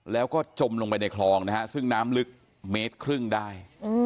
แล้วก็จมลงไปในคลองนะฮะซึ่งน้ำลึกเมตรครึ่งได้